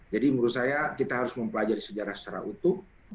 jadi menurut saya kita harus mempelajari sejarah secara utuh